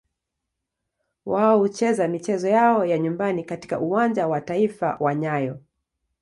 Wao hucheza michezo yao ya nyumbani katika Uwanja wa Taifa wa nyayo.